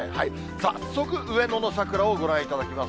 早速、上野の桜をご覧いただきます。